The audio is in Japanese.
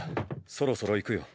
そろそろ行くよ。